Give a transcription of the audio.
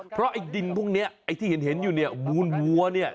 เพราะอันตรงนี้ที่เห็นอยู่มัวหัว